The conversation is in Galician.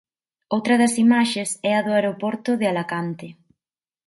Outra das imaxes é a do aeroporto de Alacante.